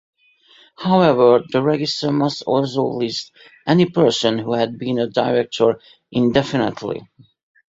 However, the register must also list any person who had been a director indefinitely.